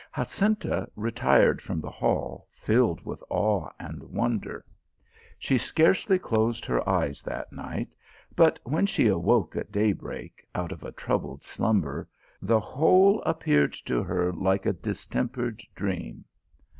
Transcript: Jacinta retired from the hall, filled with awe and wonder. She scarcely closed her eyes that night, THE ROSE OF THE ALHAMBRA. 235 but when she awoke at daybreak out of a troubled slumber, the whole appeared to her like a distem pered dream.